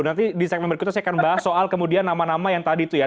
nanti di segmen berikutnya saya akan bahas soal kemudian nama nama yang tadi itu ya